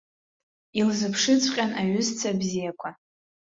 Илзыԥшыҵәҟьан аҩызцәа бзиақәа.